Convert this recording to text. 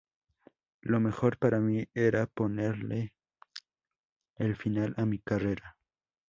Lo mejor para mí era ponerle punto final a mi carrera.